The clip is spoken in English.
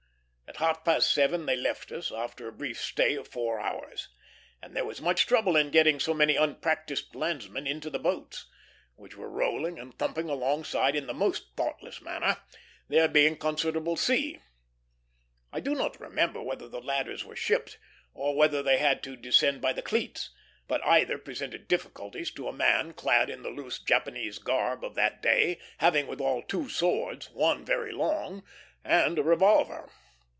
At half past seven they left us, after a brief stay of four hours; and there was much trouble in getting so many unpractised landsmen into the boats, which were rolling and thumping alongside in the most thoughtless manner, there being considerable sea. I do not remember whether the ladders were shipped, or whether they had to descend by the cleats; but either presented difficulties to a man clad in the loose Japanese garb of the day, having withal two swords, one very long, and a revolver.